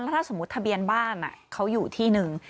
ถ้าสมมุติทะเบียนบ้านเขาอยู่ที่หนึ่ง